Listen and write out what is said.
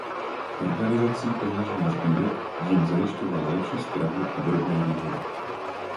Organizací peněžních sbírek jim zajišťoval lepší stravu a drobné výhody.